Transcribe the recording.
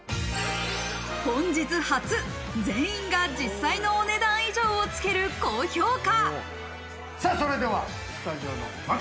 本日初、全員が実際のお値段以上をつける高評価。